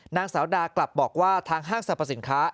นางสาวดากลับบอกว่าทางห้างสรรพสินค้า